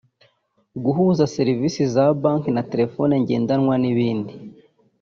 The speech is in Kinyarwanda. guhuza serivisi za banki na telefoni ngendanwa n’ibindi